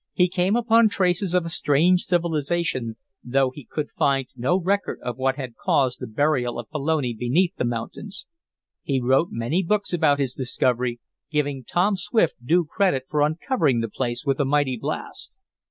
He came upon traces of a strange civilization, though he could find no record of what had caused the burial of Pelone beneath the mountains. He wrote many books about his discovery, giving Tom Swift due credit for uncovering the place with the mighty blast.